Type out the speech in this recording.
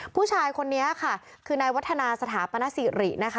ผู้ชายคนนี้ค่ะคือนายวัฒนาสถาปนสิรินะคะ